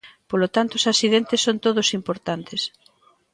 Polo tanto, os accidentes son todos importantes.